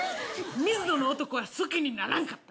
ミズノの男は好きにならんかった。